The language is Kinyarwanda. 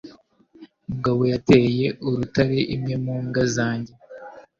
Mugabo yateye urutare imwe mu mbwa zanjye.